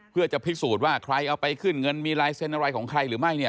เพื่อจะพิสูจน์ว่าใครเอาไปขึ้นเงินมีลายเซ็นต์อะไรของใครหรือไม่เนี่ย